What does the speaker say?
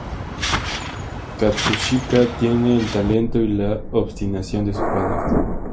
Katsushika tiene el talento y la obstinación de su padre.